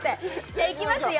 じゃあいきますよ